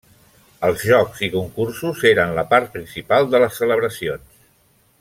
Els jocs i concursos eren la part principal de les celebracions.